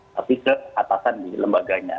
tapi keatasan di lembaganya